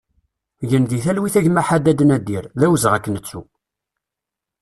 Gen di talwit a gma Ḥaddad Nadir, d awezɣi ad k-nettu!